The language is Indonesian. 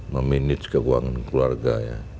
memanage keuangan keluarga